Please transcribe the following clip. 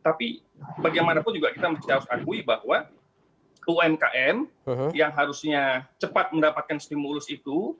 tapi bagaimanapun juga kita harus akui bahwa umkm yang harusnya cepat mendapatkan stimulus itu